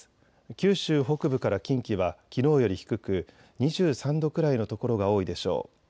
九州北部から近畿はきのうより低く、２３度くらいの所が多いでしょう。